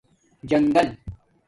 جنگل